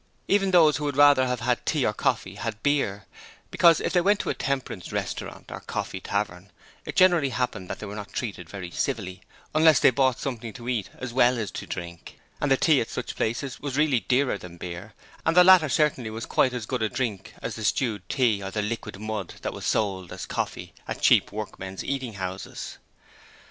Even those who would rather have had tea or coffee had beer, because if they went to a temperance restaurant or coffee tavern it generally happened that they were not treated very civilly unless they bought something to eat as well as to drink, and the tea at such places was really dearer than beer, and the latter was certainly quite as good to drink as the stewed tea or the liquid mud that was sold as coffee at cheap 'Workmen's' Eating Houses.